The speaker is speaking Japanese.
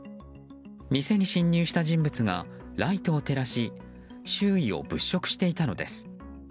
店に侵入した人物がライトを照らし周囲を物色していたのです。